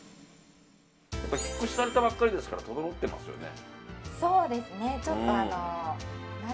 引っ越しされたばかりですから整ってますよね。